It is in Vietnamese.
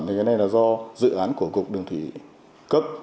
thì cái này là do dự án của cục đường thủy cấp